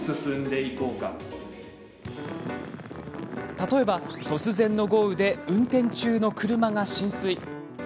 例えば、突然の豪雨で運転中の車が浸水。